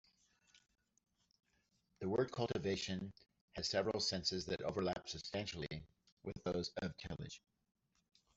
The word "cultivation" has several senses that overlap substantially with those of "tillage".